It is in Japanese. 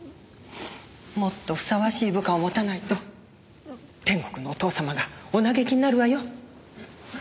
もっとふさわしい部下を持たないと天国のお父様がお嘆きになるわよ。